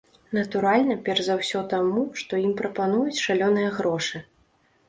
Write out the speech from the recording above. Натуральна, перш за ўсё таму, што ім прапануюць шалёныя грошы.